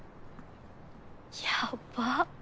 やばっ。